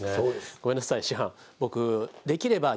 ごめんなさい師範。